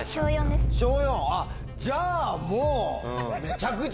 じゃあもう！